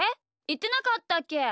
いってなかったっけ？